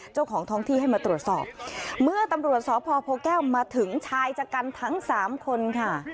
เจ้าของท้องที่ให้มาตรวจสอบเมื่อตำรวจสพโพแก้วมาถึงชายชะกันทั้งสามคนค่ะ